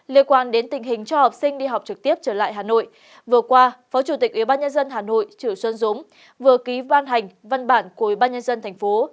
liên quan đến tình hình cho học sinh đi học trực tiếp trở lại hà nội vừa qua phó chủ tịch ủy ban nhân dân hà nội trữ xuân dũng vừa ký văn hành văn bản của ủy ban nhân dân thành phố